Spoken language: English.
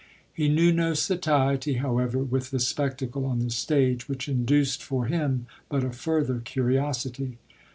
He knew no satiety, however, with the spectacle on the stage, which induced for him but a further curiosity.